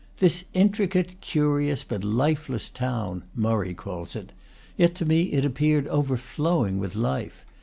"This intricate, curious, but lifeless town," Murray calls it; yet to me it appeared overflowing with life.